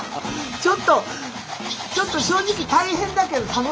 ちょっとちょっと正直大変だけど楽しいかも。